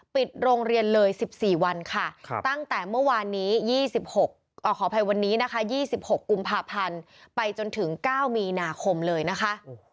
ปิดโรงเรียนเลย๑๔วันค่ะตั้งแต่เมื่อวานนี้๒๖ขออภัยวันนี้นะคะ๒๖กุมภาพันธ์ไปจนถึง๙มีนาคมเลยนะคะ